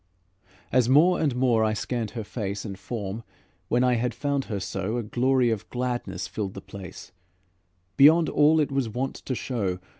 As more and more I scanned her face And form, when I had found her so, A glory of gladness filled the place Beyond all it was wont to show.